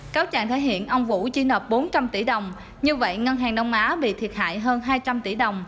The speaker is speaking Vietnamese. cáo trạng thể hiện ông vũ chỉ nộp bốn trăm linh tỷ đồng như vậy ngân hàng đông á bị thiệt hại hơn hai trăm linh tỷ đồng